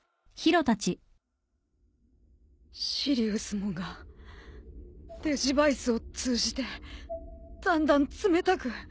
シリウスモンがデジヴァイスを通じてだんだん冷たく。